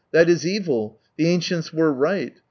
"That is evil. The ancients were right.